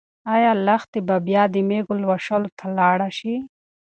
ايا لښتې به بیا د مېږو لوشلو ته لاړه شي؟